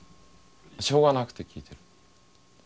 しょうがなくて聞いてる。